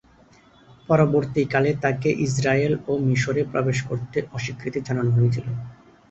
পরবর্তীকালে তাকে ইসরায়েল ও মিশরে প্রবেশ করতে অস্বীকৃতি জানানো হয়েছিল।